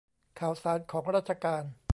ข่าวสารของราชการ